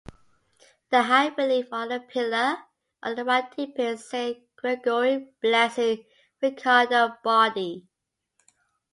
The high-relief on a pillar on the right depicts "Saint Gregory blessing Riccardo Bardi".